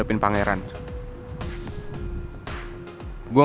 saya akan mencari tempat untuk menjelaskan